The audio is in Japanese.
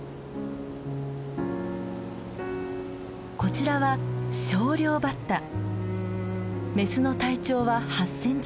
こちらはメスの体長は８センチほど。